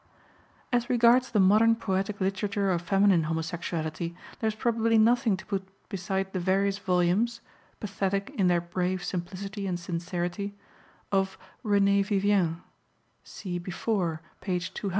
As regards the modern poetic literature of feminine homosexuality there is probably nothing to put beside the various volumes pathetic in their brave simplicity and sincerity of "Renée Vivien" (see ante, p. 200).